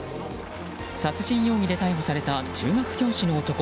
殺人容疑で逮捕された中学教師の男。